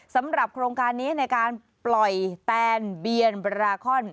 สำหรับโครงการนี้ในการปล่อยแตนเบียนบราคอน